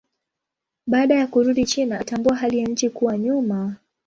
Baada ya kurudi China alitambua hali ya nchi kuwa nyuma.